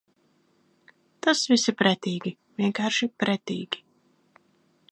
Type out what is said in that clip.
Tas viss ir pretīgi, vienkārši pretīgi.